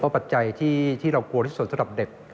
ปัจจัยที่เรากลัวที่สุดสำหรับเด็ก